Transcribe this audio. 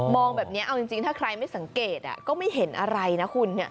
องแบบนี้เอาจริงถ้าใครไม่สังเกตก็ไม่เห็นอะไรนะคุณ